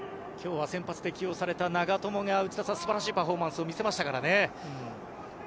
今日は先発で起用された長友が素晴らしいパフォーマンスを見せましたからね。